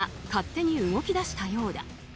無人の車が勝手に動き出したようだ。